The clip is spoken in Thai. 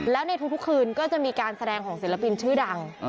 แล้วในทุกคืนก็จะมีการแสดงของศิลปินชื่อดัง